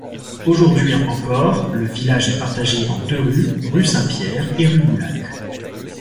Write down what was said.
Aujourd'hui encore, le village est partagé en deux rues, rue Saint-Pierre et rue Boulac.